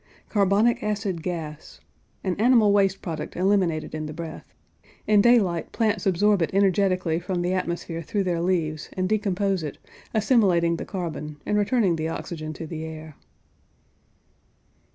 CARBONIC ACID GAS. An animal waste product eliminated in the breath. In daylight plants absorb it energetically from the atmosphere through their leaves, and decompose it, assimilating the carbon, and returning the oxygen to the air.